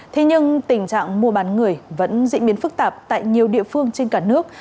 thế nhưng tình trạng mua bán người vẫn diễn biến phức tạp tại nhiều địa phương trên cả nước